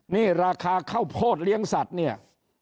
นี่ราคาข้าวโพดเลี้ยงสัตว์เนี่ย